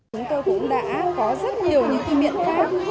chúng tôi cũng đã có rất nhiều những kỷ niệm khác